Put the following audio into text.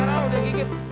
sekarang udah kikit